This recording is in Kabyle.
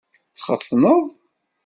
Txetneḍ?